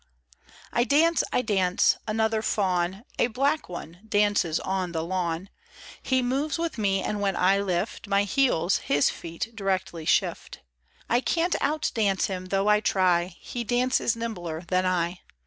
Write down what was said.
1 DANCE and dance ! Another faun A black one, dances on the lawn. He moves with me, and when I lift My heels his feet directly shift : I can't outdance him though I try ; He dances nimbler than I.